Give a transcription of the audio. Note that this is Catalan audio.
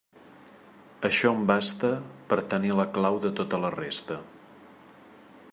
Això em basta per a tenir la clau de tota la resta.